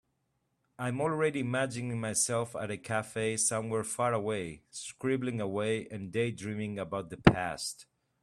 I am already imagining myself at a cafe somewhere far away, scribbling away and daydreaming about the past.